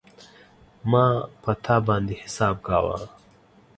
ما په تا باندی حساب کاوه